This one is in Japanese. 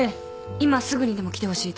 今すぐにでも来てほしいと。